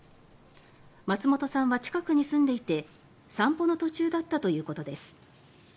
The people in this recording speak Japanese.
松本さんは近くに住んでいて散歩の途中だったということです。